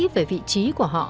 về vị trí của họ